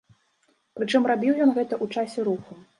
Прычым рабіў ён гэта у часе руху.